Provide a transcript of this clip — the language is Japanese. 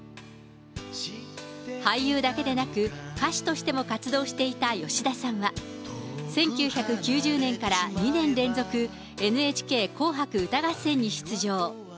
俳優だけでなく、歌手としても活動していた吉田さんは、１９９０年から２年連続、ＮＨＫ紅白歌合戦に出場。